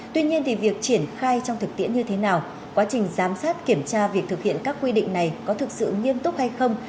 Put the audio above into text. tuy nhiên thì việc triển khai trong thực tiễn như thế nào quá trình giám sát kiểm tra việc thực hiện các quy định này có thực sự nghiêm túc hay không